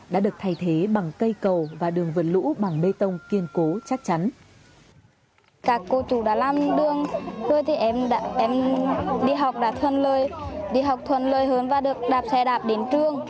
đã được thay thế bằng cây cầu và đường vượt lũ bằng bê tông kiên cố chắc chắn